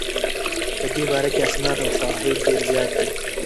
په دې باره کې اسناد او شواهد ډېر زیات دي.